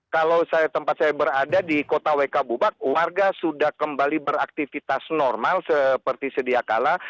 kalau tempat saya berada di kota wk bubak warga sudah kembali beraktivitas normal seperti sedia kala